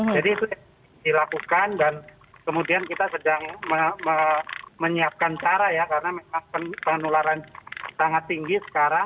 jadi itu dilakukan dan kemudian kita sedang menyiapkan cara ya karena penularan sangat tinggi sekarang